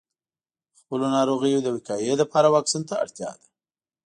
د خپلو ناروغیو د وقایې لپاره واکسین ته اړتیا ده.